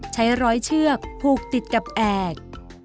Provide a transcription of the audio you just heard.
ใช้ร้อยเชือกผูกติดกับแอก